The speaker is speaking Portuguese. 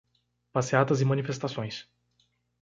Passeatas e manifestações